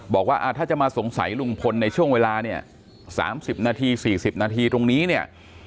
บอกว่าถ้าจะมาสงสัยลุงพลในช่วงเวลา๓๐๔๐นาทีตรงนี้